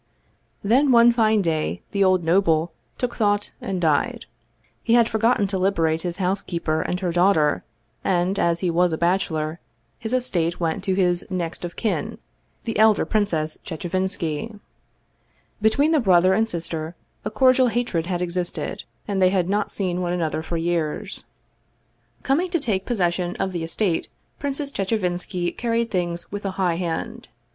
Then one fine day the old noble took thought and died. He had forgotten to liberate his housekeeper and her daughter, and, as he was a bachelor, his estate went to his next of kin, the elder Princess Chechevinski. Between the brother and sister a cordial hatred had existed, and they had not seen one another for years. 180 Vsevolod Vladimir ovitch Krcstovski Coming to take possession of the estate, Princess Che chevinski carried things with a high hand.